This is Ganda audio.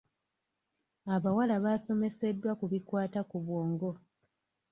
Abawala baasomeseddwa ku bikwata ku bwongo.